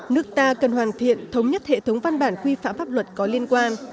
nước ta cần hoàn thiện thống nhất hệ thống văn bản quy phạm pháp luật có liên quan